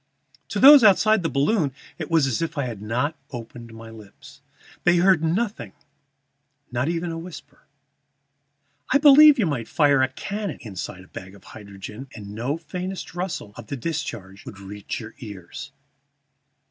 To those outside the balloon it was as if I had not opened my lips. They heard nothing, not even a whisper. I believe you might fire a cannon inside a bag of hydrogen, and no faintest rustle of the discharge would reach your ears.